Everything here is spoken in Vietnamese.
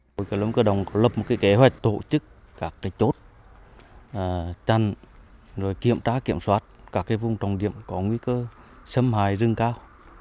lực lượng kiểm lâm có lập một kế hoạch tổ chức các chốt chăn kiểm tra kiểm soát các vùng trọng điểm có nguy cơ xâm hài rừng cao